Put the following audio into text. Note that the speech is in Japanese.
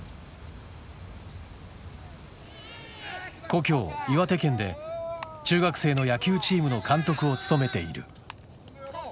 故郷岩手県で中学生の野球チームの監督を務めている。